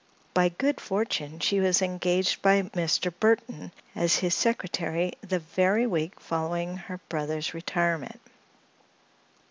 By good fortune she was engaged by Mr. Burthon as his secretary the very week following her brother's retirement.